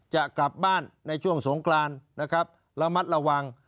จะกลับบ้านในช่วงสงกรานนะครับระมัดระวัง